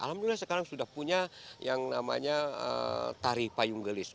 alhamdulillah sekarang sudah punya yang namanya tari payung gelis